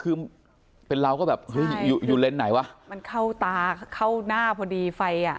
คือเป็นเราก็แบบเฮ้ยอยู่อยู่เลนส์ไหนวะมันเข้าตาเข้าหน้าพอดีไฟอ่ะ